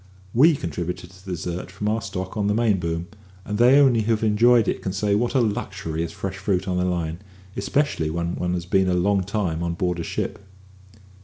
We contributed to the dessert from our stock on the main boom; and they only who have enjoyed it can say what a luxury is fresh fruit on the line, especially when one has been a long time on board a ship.